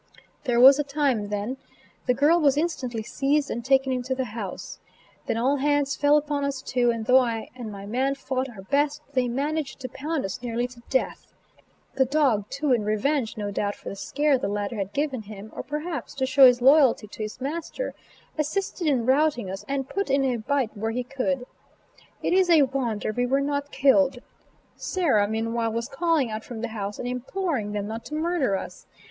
There was a time then. The girl was instantly seized and taken into the house. Then all hands fell upon us two, and though I and my man fought our best they managed to pound us nearly to death. The dog, too, in revenge no doubt for the scare the ladder had given him, or perhaps to show his loyalty to his master, assisted in routing us, and put in a bite where he could. It is a wonder we were not killed. Sarah, meanwhile, was calling out from the house, and imploring them not to murder us.